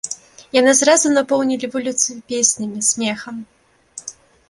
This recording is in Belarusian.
Яны зразу напоўнілі вуліцу песнямі, смехам.